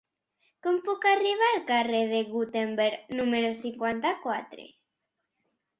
Com puc arribar al carrer de Gutenberg número cinquanta-quatre?